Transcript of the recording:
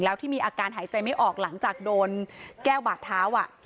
แล้วที่มีอาการหายใจไม่ออกหลังจากโดนแก้วบาดเท้า